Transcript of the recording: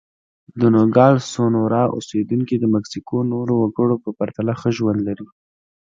د نوګالس سونورا اوسېدونکي د مکسیکو نورو وګړو په پرتله ښه ژوند لري.